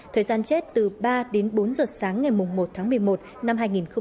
thời gian chết từ ba đến bốn giờ sáng ngày một tháng một mươi một năm hai nghìn một mươi chín